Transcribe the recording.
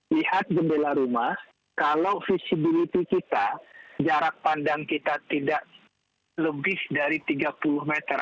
lihat jendela rumah kalau visibility kita jarak pandang kita tidak lebih dari tiga puluh meter